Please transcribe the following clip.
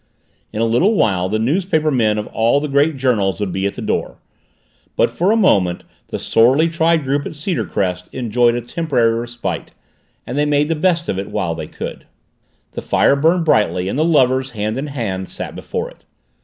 In a little while the newspapermen of all the great journals would be at the door but for a moment the sorely tried group at Cedarcrest enjoyed a temporary respite and they made the best of it while they could. The fire burned brightly and the lovers, hand in hand, sat before it.